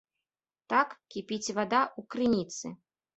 Так кіпіць вада ў крыніцы.